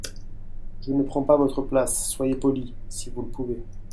Je ne prends pas votre place… soyez poli… si vous le pouvez…